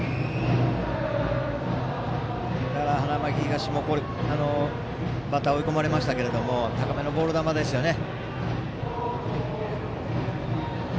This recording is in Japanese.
花巻東も、バッター追い込まれましたけど高めのボール球ですよね。